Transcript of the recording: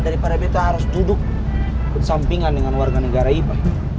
daripada kita harus duduk bersampingan dengan warga negara ipa